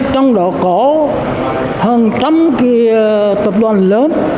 trong đó có hơn một trăm linh tập đoàn lớn